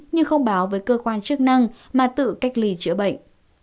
nhưng không báo với cơ quan chức năng mà tự cách ly chữa bệnh